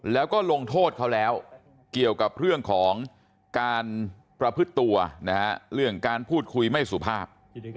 แล้วก็ลงโทษเขาแล้วเกี่ยวกับเรื่องของการประพฤติตัวนะฮะเรื่องการพูดคุยไม่สุภาพ